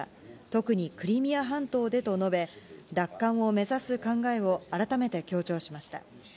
特にクリミア半島でと述べ、奪還を目指す考えを改めて強調しました。